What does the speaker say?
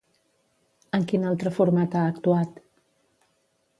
En quin altre format ha actuat?